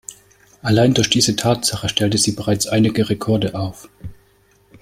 Allein durch diese Tatsache stellte sie bereits einige Rekorde auf.